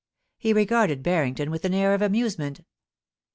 He regarded Harrington with an air of amuse ment.